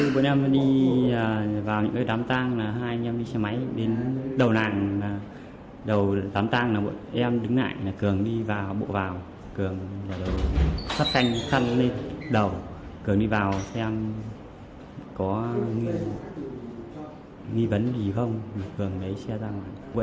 cường là đồ sắp thanh thăn lên đầu cường đi vào xem có nghi vấn gì không cường lấy xe ra ngoài